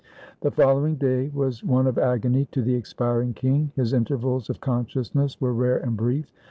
... The following day was one of agony to the expiring king. His intervals of consciousness were rare and brief.